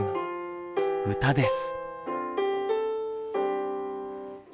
歌です。